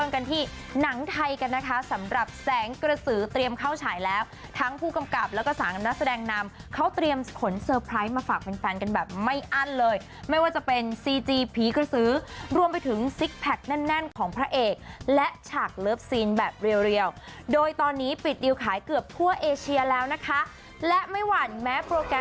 กันที่หนังไทยกันนะคะสำหรับแสงกระสือเตรียมเข้าฉายแล้วทั้งผู้กำกับแล้วก็สางนักแสดงนำเขาเตรียมขนเซอร์ไพรส์มาฝากแฟนกันแบบไม่อั้นเลยไม่ว่าจะเป็นซีจีผีกระสือรวมไปถึงซิกแพคแน่นแน่นของพระเอกและฉากเลิฟซีนแบบเรียวโดยตอนนี้ปิดดิวขายเกือบทั่วเอเชียแล้วนะคะและไม่หวั่นแม้โปรแกรม